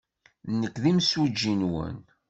Nekk d imsujji-nwen.